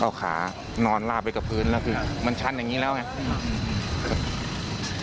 เอาขานอนลาบไปกับพื้นแล้วคือมันชั้นอย่างนี้แล้วไง